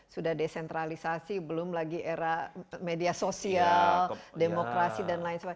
sudah desentralisasi belum lagi era media sosial demokrasi dan lain sebagainya